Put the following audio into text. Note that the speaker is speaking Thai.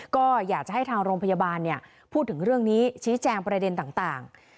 ก็อยากจะให้ทางโรงพยาบาลพูดถึงเรื่องนี้ชี้แจงประเด็นต่าง